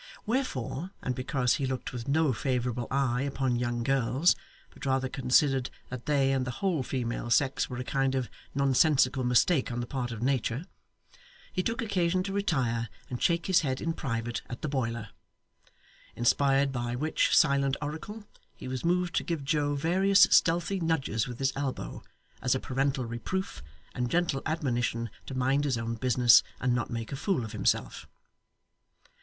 Wherefore, and because he looked with no favourable eye upon young girls, but rather considered that they and the whole female sex were a kind of nonsensical mistake on the part of Nature, he took occasion to retire and shake his head in private at the boiler; inspired by which silent oracle, he was moved to give Joe various stealthy nudges with his elbow, as a parental reproof and gentle admonition to mind his own business and not make a fool of himself.